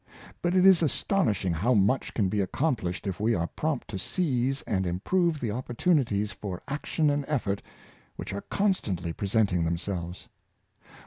But it is astonishing how much can be accomplished if we are prompt to seize and im prove the opportunities for action and effort which are constantly presenting themselves.